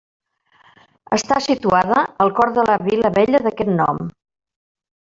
Està situada al cor de la vila vella d'aquest nom.